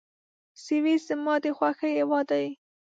سویس زما د خوښي هېواد دی.